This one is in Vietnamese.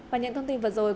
và những thông tin vừa rồi